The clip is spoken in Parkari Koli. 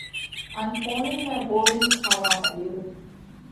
ان پوڻِي ۾ ٻوڙينَ کاوا مڏيو۔